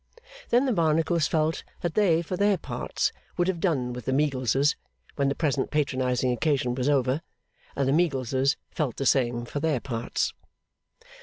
Then the Barnacles felt that they for their parts would have done with the Meagleses when the present patronising occasion was over; and the Meagleses felt the same for their parts.